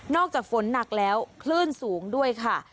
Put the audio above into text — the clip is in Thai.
จากฝนหนักแล้วคลื่นสูงด้วยค่ะ